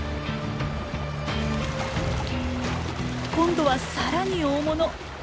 今度はさらに大物！